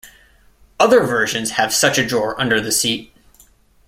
Other versions have such a drawer under the seat.